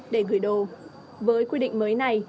để gửi đồ với quy định mới này